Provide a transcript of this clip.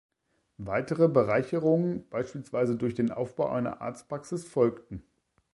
Weitere Bereicherungen beispielsweise durch den Aufbau einer Arztpraxis folgten.